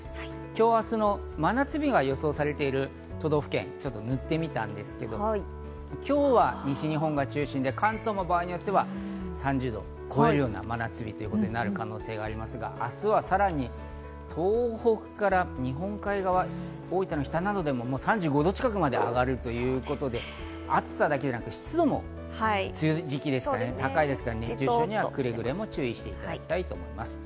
今日・明日の真夏日が予想されている都道府県を見てみたんですけど、今日は西日本中心で関東も場合によっては３０度を超えるような真夏日になる可能性がありますが、明日はさらに東北から日本海側、大分の北などでも３５度近くまで上がるということで、暑さだけではなく湿度も、梅雨時期ですから、高いですから、くれぐれもご注意いただきたいと思います。